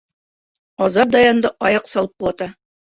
Азат Даянды аяҡ салып ҡолата.